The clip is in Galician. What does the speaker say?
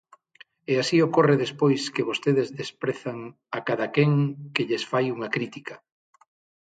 E así ocorre despois que vostedes desprezan a cadaquén que lles fai unha crítica.